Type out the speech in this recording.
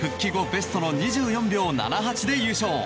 ベストの２４秒７８で優勝。